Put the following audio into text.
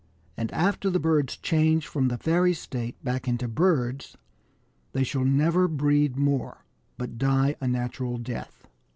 And after the birds change from the fairy state back into birds, they shall never breed more, but die a natural death."